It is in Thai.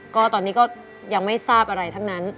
ก็ตอนนี้ก็ยังไม่ทราบอะไรทั้งนั้น